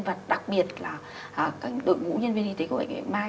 và đặc biệt là các đội ngũ nhân viên y tế của bệnh viện mai mai